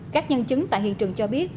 các nhân chứng tại hiện trường cho biết